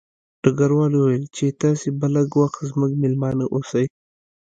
ډګروال وویل چې تاسې به لږ وخت زموږ مېلمانه اوسئ